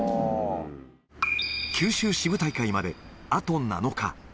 九州支部大会まであと７日。